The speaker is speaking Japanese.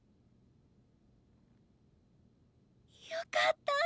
よかった！